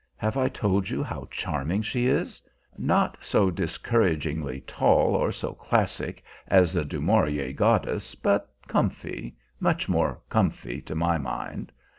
Have I told you how charming she is? Not so discouragingly tall or so classic as the Du Maurier goddess, but "comfy," much more "comfy," to my mind.